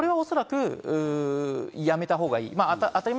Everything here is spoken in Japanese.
それはやめたほうがいい。